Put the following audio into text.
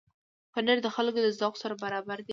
پنېر د خلکو د ذوق سره برابر دی.